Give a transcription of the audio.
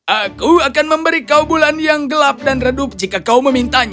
aku akan memberi kau bulan yang gelap dan redup jika kau memintanya